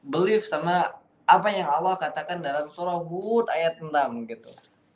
belief sama apa yang allah katakan dalam surah hud ayat enam gitu